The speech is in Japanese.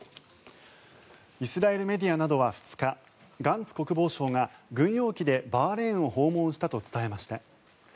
イスラエルメディアなどは２日ガンツ国防相が軍用機でバーレーンを訪問したと伝えました。